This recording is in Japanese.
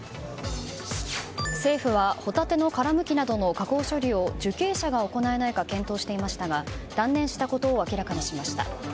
政府はホタテの殻むきなどの加工処理を受刑者が行えないか検討していましたが断念したことを明らかにしました。